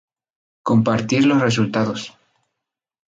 Compartir los resultados.